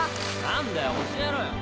何だよ教えろよ。